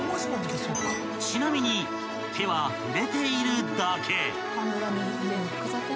［ちなみに手は触れているだけ］